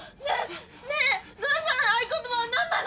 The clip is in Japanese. ねえねえ野田さん